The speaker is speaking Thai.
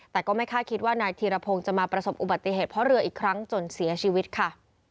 แต่ก็ไม่คาดคิดว่านายธีรพงศ์จะมาประสบอุบัติเหตุเพราะเรืออีกครั้งจนเสียชีวิตค่ะ